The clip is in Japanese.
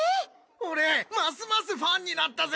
俺ますますファンになったぜ。